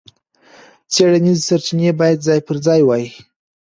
څېړنیزې سرچینې باید ځای پر ځای وای.